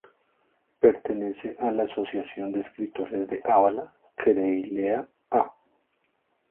Pertenece a la Asociación de Escritores de Álava Krelia.a.